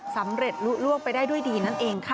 สำเร็จลุล่วงไปได้ด้วยดีนั่นเองค่ะ